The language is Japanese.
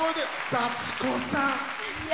幸子さん。